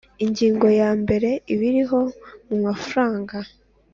Ingingo ya mbere Ibiho mu mafaranga